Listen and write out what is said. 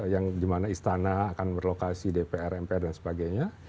yang dimana istana akan berlokasi dpr mpr dan sebagainya